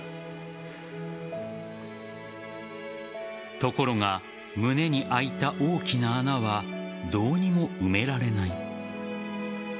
ところが胸に開いた大きな穴はどうにも埋められない。